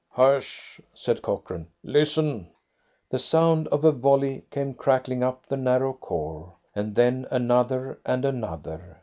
"Hush!" said Cochrane. "Listen!" The sound of a volley came crackling up the narrow khor, and then another and another.